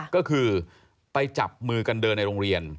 ก็คือไปจับมือกันเดินในโรงเรียน